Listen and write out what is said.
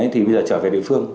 thì bây giờ trở về địa phương